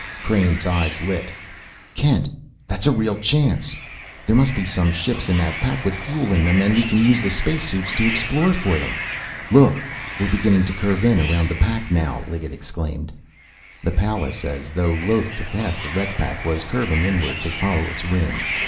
Crain's eyes lit. "Kent, that's a real chance! There must be some ships in that pack with fuel in them, and we can use the space suits to explore for them!" "Look, we're beginning to curve in around the pack now!" Liggett exclaimed. The Pallas, as though loath to pass the wreck pack, was curving inward to follow its rim.